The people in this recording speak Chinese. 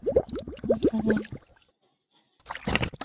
你想回家看看吗？